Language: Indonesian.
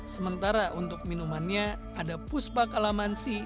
sementara untuk minumannya ada puspa kalamansi